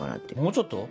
もうちょっと？